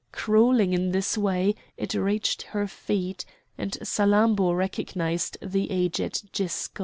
Crawling in this way it reached her feet, and Salammbô recognised the aged Gisco.